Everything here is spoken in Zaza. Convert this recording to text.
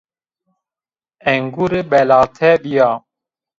Engure belate bîya